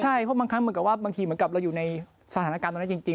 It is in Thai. ใช่เพราะบางครั้งเหมือนกับว่าบางทีเหมือนกับเราอยู่ในสถานการณ์ตรงนั้นจริง